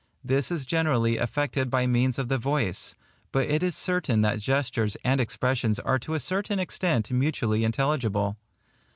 This is generally effected by means of the voice, but it is certain that gestures and expressions are to a certain extent mutually intelligible.